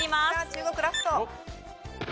中国ラスト。